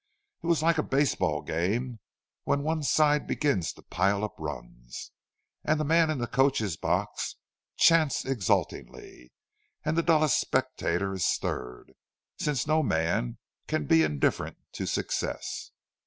It was like a base ball game, when one side begins to pile up runs, and the man in the coacher's box chants exultantly, and the dullest spectator is stirred—since no man can be indifferent to success.